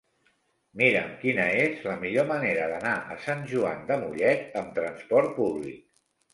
Mira'm quina és la millor manera d'anar a Sant Joan de Mollet amb trasport públic.